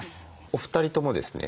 お二人ともですね